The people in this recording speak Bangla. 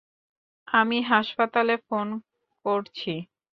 আমি হাসপাতালে ফোন করছি।